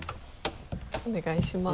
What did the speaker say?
お願いします。